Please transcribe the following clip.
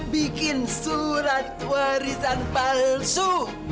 bikin surat warisan palsu